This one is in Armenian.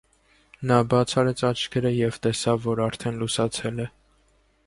Նա բաց արեց աչքերը և տեսավ, որ արդեն լուսացել է: